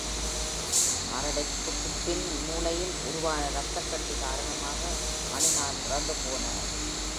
மாரடைபக்குப் பின் மூளையில் உருவான ரத்தக் கட்டி காரணமாக, மணிலால் இறந்து போனார்.